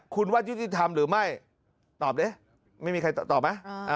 คุณว่ายุติธรรมหรือไม่ตอบดิไม่มีใครตอบไหม